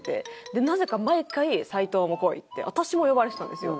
でなぜか毎回「齊藤も来い」って私も呼ばれてたんですよ。